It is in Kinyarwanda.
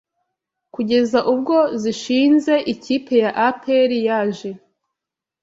kugeza ubwo zishinze ikipe ya Aperi yaje